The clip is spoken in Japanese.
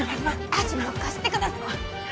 あぁもう貸してください。